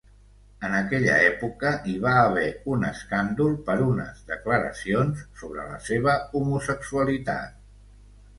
En aquella època hi va haver un escàndol per unes declaracions sobre la seva homosexualitat.